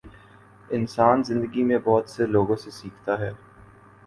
انسان زندگی میں بہت سے لوگوں سے سیکھتا ہے